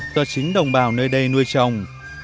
do chính đồng bào nơi đây nuôi trồng